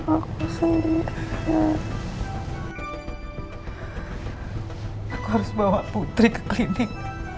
aku harus bawa putri ke klinik